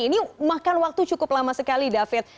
ini makan waktu cukup lama sekali david